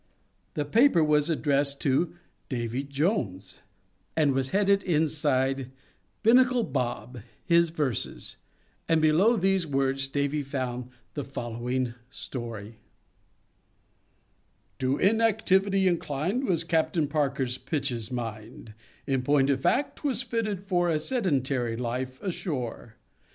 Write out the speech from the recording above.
The paper was addressed to "Davy Jones," and was headed inside, "Binnacle Bob: His werses;" and below these words Davy found the following story: _To inactivity inclined Was Captain Parker Pitch's mind; In point of fact, 'twas fitted for A sedentary life ashore.